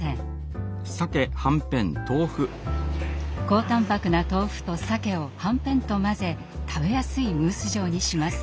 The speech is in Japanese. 高タンパクな豆腐とさけをはんぺんと混ぜ食べやすいムース状にします。